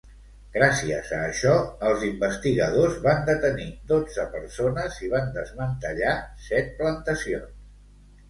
Gràcies a això, els investigadors van detenir dotze persones i van desmantellar set plantacions.